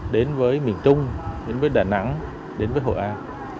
đến với miền trung đến với đà nẵng đến với hội an